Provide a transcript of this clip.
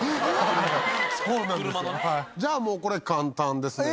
じゃあこれ簡単ですね。